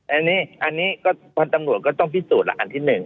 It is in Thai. อันนี้อันนี้ก็พันธุ์ตำรวจก็ต้องพิสูจน์อันที่หนึ่ง